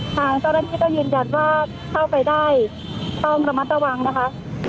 ทางตรงนี้ก็ยืนจัดว่าเข้าไปได้ต้องระมัดต่อวังนะคะ